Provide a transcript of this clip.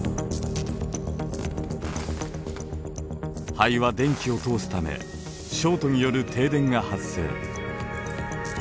灰は電気を通すためショートによる停電が発生。